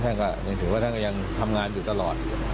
ท่านก็ยังถือว่าท่านก็ยังทำงานอยู่ตลอด